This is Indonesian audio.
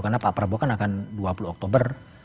karena pak prabowo kan akan dua puluh oktober